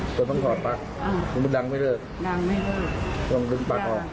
ขวดต้องถอดฟักอ่าไม่ดังไม่เลิกนั่งไม่เลิกต้องดึงปากออก